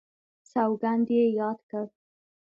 سوګند یې یاد کړ.